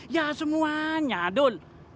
ya semuanya dul